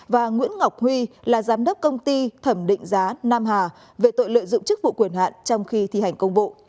và nguyễn ngọc huy là giám đốc công ty thẩm định giá nam hà về tội lợi dụng chức vụ quyền hạn trong khi thi hành công vụ